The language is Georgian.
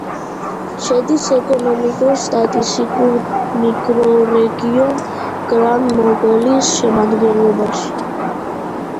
შედის ეკონომიკურ-სტატისტიკურ მიკრორეგიონ გრან-მოგოლის შემადგენლობაში.